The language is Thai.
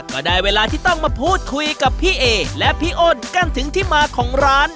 ก็ได้เวลาที่ต้องมาพูดคุยกับพี่เอและพี่อ้นกันถึงที่มาของร้าน